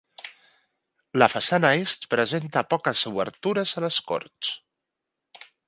La façana Est presenta poques obertures a les corts.